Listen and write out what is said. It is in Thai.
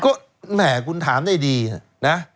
ก็แหมคุณถามได้ดีนะ